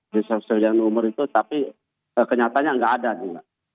di sosial yang umur itu tapi kenyataannya enggak ada juga